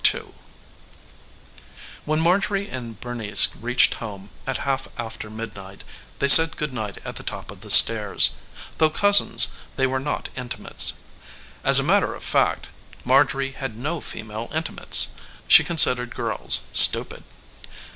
II When Marjorie and Bernice reached home at half after midnight they said good night at the top of the stairs. Though cousins, they were not intimates. As a matter of fact Marjorie had no female intimates she considered girls stupid.